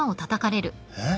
えっ？